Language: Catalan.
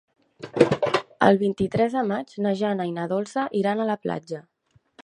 El vint-i-tres de maig na Jana i na Dolça iran a la platja.